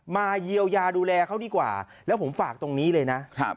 เยียวยาดูแลเขาดีกว่าแล้วผมฝากตรงนี้เลยนะ